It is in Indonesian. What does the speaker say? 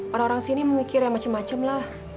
orang orang sini memikir yang macem macem lah